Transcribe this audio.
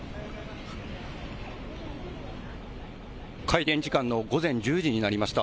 開店時間の午前１０時になりました。